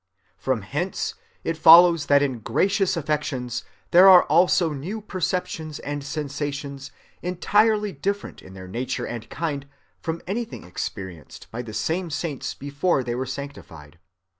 From hence it follows that in gracious affections there are [also] new perceptions and sensations entirely different in their nature and kind from anything experienced by the [same] saints before they were sanctified....